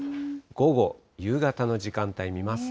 午後、夕方の時間帯見ますと。